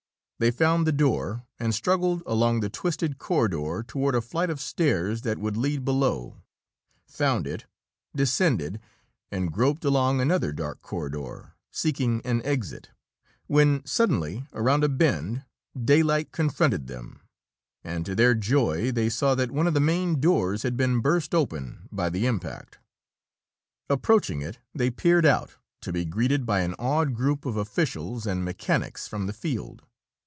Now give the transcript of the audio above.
They found the door, and struggled along the twisted corridor toward a flight of stairs that would lead below; found it, descended, and groped along another dark corridor, seeking an exit; when suddenly, around a bend, daylight confronted them, and to their joy they saw that one of the main doors had been burst open by the impact. Approaching it, they peered out to be greeted by an awed group of officials and mechanics from the field.